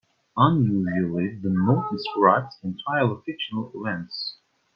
Unusually, the note describes entirely fictional events.